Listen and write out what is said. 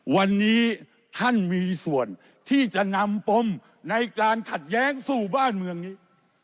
วันนี้ท่านมีส่วนที่จะนำปมในการขัดแย้งสู่บ้านเมืองนี้